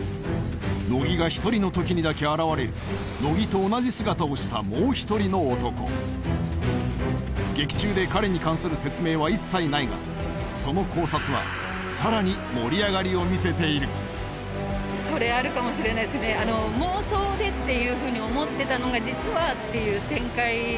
乃木が一人の時にだけ現れる乃木と同じ姿をしたもう一人の男劇中で彼にかんする説明は一切ないがその考察はさらに盛り上がりをみせている妄想でっていうふうに思ってたのが実はっていう展開